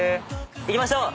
行きましょう。